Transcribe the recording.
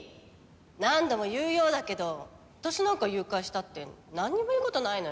何度も言うようだけど私なんか誘拐したってなんにもいいことないのよ。